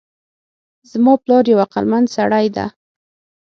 زما پلار یو عقلمند سړی ده